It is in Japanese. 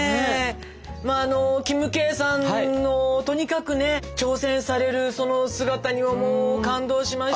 まああのキムケイさんのとにかくね挑戦されるその姿にはもう感動しましたし。